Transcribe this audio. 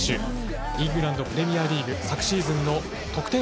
イングランド・プレミアリーグ昨シーズンの得点